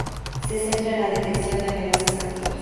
Se centra en la detección de amenazas activas.